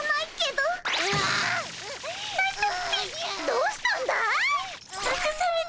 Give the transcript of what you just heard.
どうしたんだい？